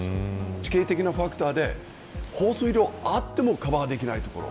地形的なファクターで放水路があってもカバーできないところ。